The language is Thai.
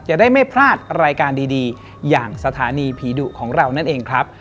จะได้ไม่พลาดรายการดีอย่างสถานีผีดุของเรานั่นเองครับ